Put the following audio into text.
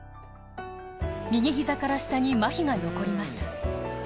右膝から下にまひが残りました。